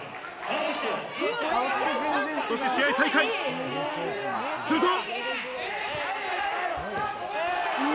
そして試合再開、すると。